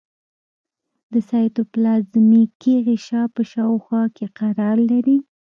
د سایتوپلازمیک غشا په شاوخوا کې قرار لري.